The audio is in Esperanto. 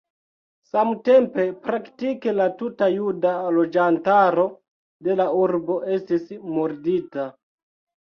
Samtempe praktike la tuta juda loĝantaro de la urbo estis murdita.